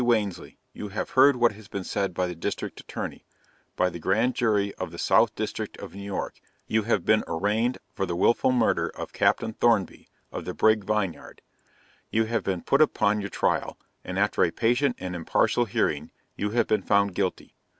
Wansley, you have heard what has been said by the District Attorney by the Grand Jury of the South District of New York, you have been arraigned for the wilful murder of Captain Thornby, of the brig Vineyard; you have been put upon your trial, and after a patient and impartial hearing, you have been found Guilty.